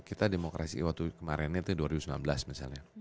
kita demokrasi waktu kemarin itu dua ribu sembilan belas misalnya